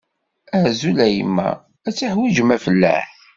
Azul a yemma, ad teḥwijem afellaḥ?